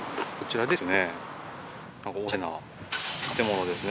あっこちらですね。